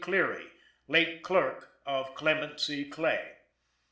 Cleary, late clerk of Clement C. Clay.